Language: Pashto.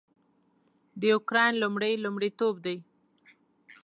د اوکراین لومړی لومړیتوب دی